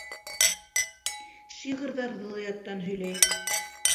Шиғырҙарҙы ла яттан һөйләй.